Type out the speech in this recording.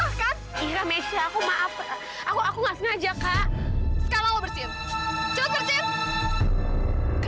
sekarang lo lihat juga